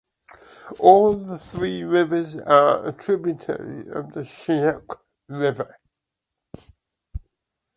All the three rivers are tributary of the Shyok River.